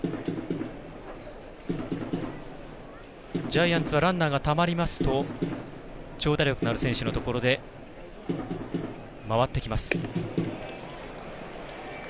ジャイアンツはランナーがたまりますと長打力のある選手のところで回ってきます。